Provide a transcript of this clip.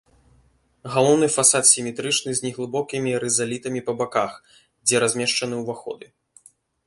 Галоўны фасад сіметрычны, з неглыбокімі рызалітамі па баках, дзе размешчаны ўваходы.